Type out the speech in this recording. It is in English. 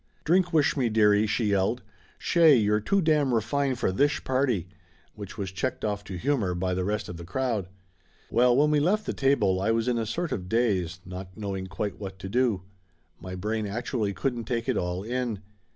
"Drink wish me, dearie," she yelled. "Shay you're too dam' refined for thish party !" Which was checked off to humor by the rest of the crowd. Well, when we left the table I was in a sort of daze, not knowing quite what to do. My brain actu ally couldn't take it all in.